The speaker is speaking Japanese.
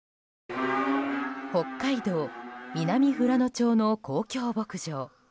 北海道南富良野町の公共牧場。